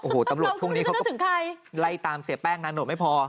โอ้โหตำรวจช่วงนี้เขาก็ไล่ตามเสียแป้งนานโหดไม่พอ